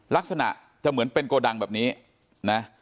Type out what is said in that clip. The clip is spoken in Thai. ลักษณะจะเหมือนเป็นโกดังแบบนี้นะ